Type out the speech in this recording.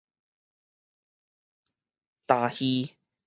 耽耳